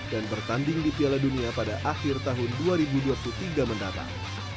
dan bertanding di piala dunia pada akhir tahun dua ribu dua puluh tiga mendatang